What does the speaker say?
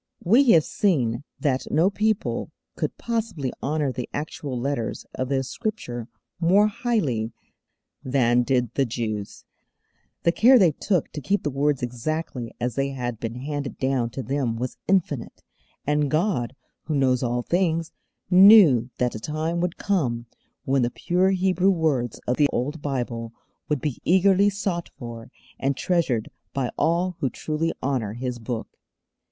We have seen that no people could possibly honour the actual letters of the Scripture more highly than did the Jews. The care they took to keep the words exactly as they had been handed down to them was infinite; and God, who knows all things, knew that a time would come when the pure Hebrew words of the old Bible would be eagerly sought for, and treasured by all who truly honour His Book.